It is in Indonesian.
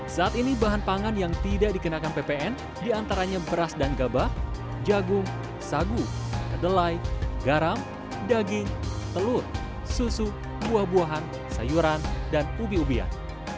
saat ini bahan pangan yang tidak dikenakan ppn diantaranya beras dan gabah jagung sagu kedelai garam daging telur susu buah buahan sayuran dan ubi ubian